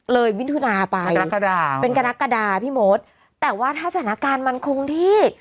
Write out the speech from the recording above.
มิถุนาไปกรกฎาเป็นกรกฎาพี่มดแต่ว่าถ้าสถานการณ์มันคงที่